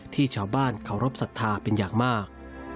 ที่ชาวบ้านเคารพสัทธาเป็นอย่างมาก